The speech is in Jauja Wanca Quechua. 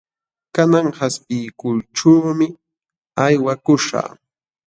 Kanan qaspiykuyćhuumi aywakuśhaq.